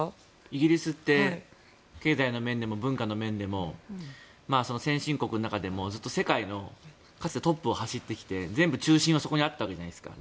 イギリスって経済の面でも文化の面でも先進国の中でも、ずっと世界のかつてはトップを走ってきて全部中心はそこにあったわけじゃないですか